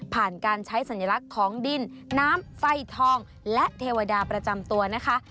การใช้สัญลักษณ์ของดินน้ำไฟทองและเทวดาประจำตัวนะคะ